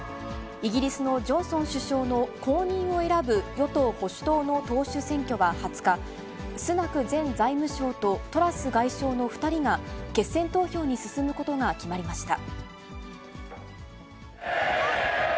イギリスのジョンソン首相の後任を選ぶ、与党・保守党の党首選挙は２０日、スナク前財務相とトラス外相の２人が決選投票に進むことが決まりました。